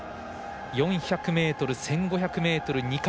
４００ｍ、１５００ｍ２冠。